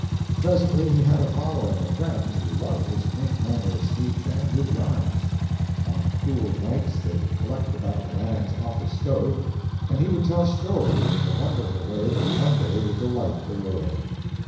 Presently he had a following of friends who loved his quaint manner of speech and his yarns. On cool nights they would collect about Orion's office stove, and he would tell stories in the wonderful way that one day would delight the world.